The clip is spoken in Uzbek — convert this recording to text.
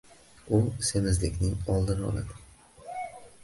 U semizlikning oldini oladi.